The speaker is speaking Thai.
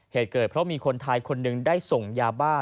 เหตุเกิดเพราะมีคนไทยคนหนึ่งได้ส่งยาบ้า